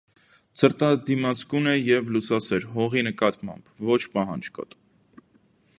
Ցրտադիմացկուն է և լուսասեր, հողի նկատմամբ՝ ոչ պահանջկոտ։